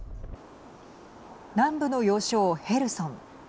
南部の要衝ヘルソン。